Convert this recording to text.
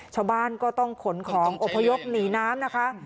ชาวบ้านก็ต้องขนของอพยพหนีน้ำนะคะ